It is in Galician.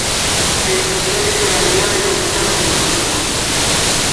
Pero sucede que a realidade non é tal como nola contan.